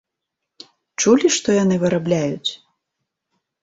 Чулі, што яны вырабляюць?